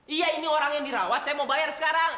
iya ini orang yang dirawat saya mau bayar sekarang